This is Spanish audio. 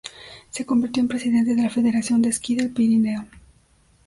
Se convirtió en presidente de la Federación de esquí del Pirineo.